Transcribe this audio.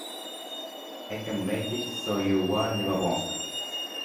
I can make it so you were never born.